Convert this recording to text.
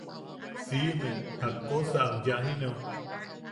Siʼme, jakkosa am yajineo.